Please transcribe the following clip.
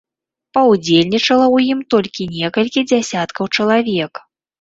Паўдзельнічала ў ім толькі некалькі дзясяткаў чалавек.